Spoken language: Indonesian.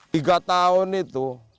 tiga tahun itu